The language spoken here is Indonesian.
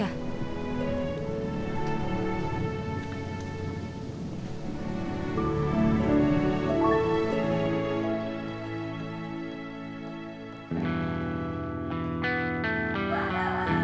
udah satu jam